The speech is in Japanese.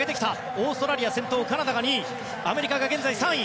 オーストラリア先頭カナダが２位、アメリカが３位。